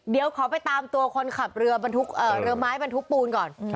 เดี๋ยวขอไปตามตัวคนขับเรือไม้บรรทุกปูนก่อน